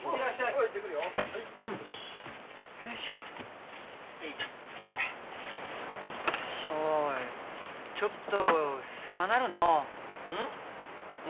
おいちょっと狭なるのう。